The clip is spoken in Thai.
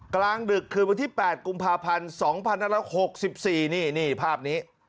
กลางดึกคืนวันที่๘กุมภาพันธ์๒๑๖๔นี่นี่ภาพนี้